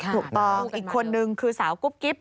ถูกต้องอีกคนนึงคือสาวกุ๊บกิ๊บ